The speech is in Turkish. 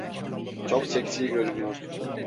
Çok seksi görünüyorsun.